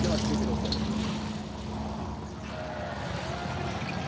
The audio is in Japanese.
続いて、こちらです。